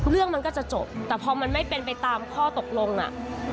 เรื่องมันก็จะจบแต่พอมันไม่เป็นไปตามข้อตกลงอ่ะ